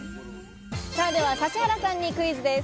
では指原さんにクイズです。